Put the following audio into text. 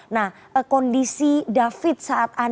nah kondisi david saat anda melihat